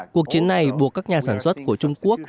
cuộc chiến này buộc các nhà sản xuất của trung quốc